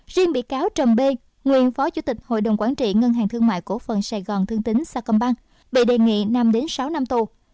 riêng bị cáo trầm bê nguyên phó chủ tịch hội đồng quản trị ngân hàng thương mại cổ phần sài gòn thương tính sa công bang bị đề nghị năm sáu năm tù